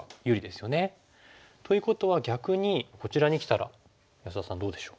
ということは逆にこちらにきたら安田さんどうでしょう？